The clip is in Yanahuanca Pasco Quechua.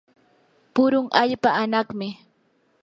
purun allpa anaqmi.